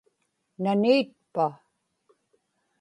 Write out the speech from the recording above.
nani itpa